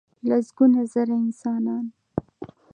لسګونه زره انسانان .